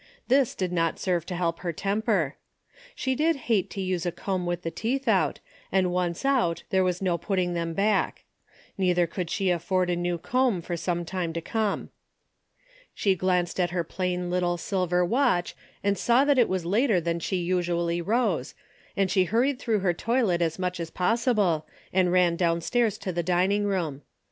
This did not serve to help her temper. She did hate to use a comb with the teeth out and once out there was no putting them back. Neither could she afford a new comb for some time to come. She glanced at her plain little silver watch and saw it was later than she usually rose, and she hurried through her toilet as much as possible, and ran downstairs to the dining room.